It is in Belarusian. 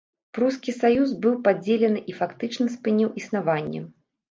Прускі саюз быў падзелены і фактычна спыніў існаванне.